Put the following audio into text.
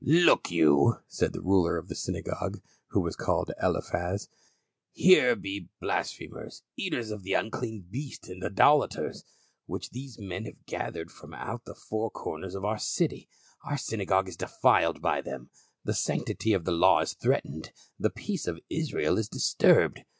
" Look you," said the ruler of the synagogue, who was called Eliphaz. " Here be blasphemers, eaters of the unclean beast, and idolaters, which these men have gathered from out the four corners of our city ; our synagogue is defiled by them, the sanctity of the law is threatened ; the peace of Israel is disturbed.